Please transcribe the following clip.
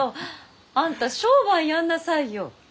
あんた商売やんなさいよ。